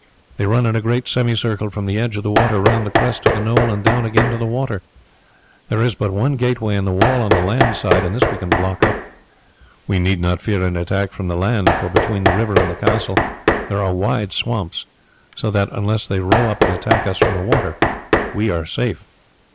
They run in a great semicircle from the edge of the water round the crest of the knoll and down again to the water. There is but one gateway in the wall on the land side, and this we can block up. We need not fear an attack from the land, for between the river and the castle there are wide swamps; so that unless they row up and attack us from the water we are safe."